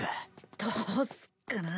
どうすっかなぁ。